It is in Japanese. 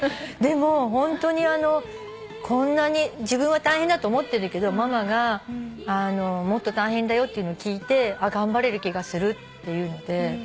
ホントにこんなに「自分は大変だと思ってるけどママがもっと大変だよっていうの聞いて頑張れる気がする」って言うので。